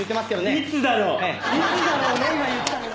いつだろうね？